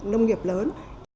nông nghiệp lớn